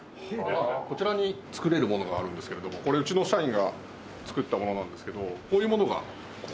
こちらに作れるものがあるんですけれどもこれうちの社員が作ったものなんですけどこういうものがここの体験工房で。